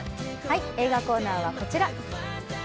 映画コーナーはこちら。